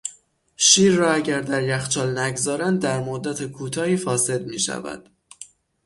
شیر را اگر در یخچال نگذارند در مدت کوتاهی فاسد میشود.